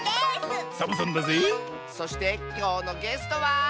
そしてきょうのゲストは。